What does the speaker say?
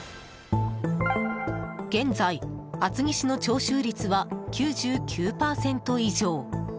現在、厚木市の徴収率は９９％以上。